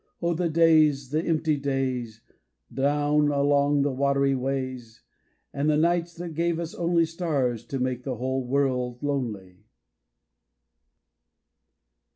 Oh the days, the empty days, Down along the watery ways, And the nights that gave us only Stars, to make the whole world lonely.